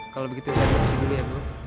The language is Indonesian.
kalau begitu saya donasi dulu ya bu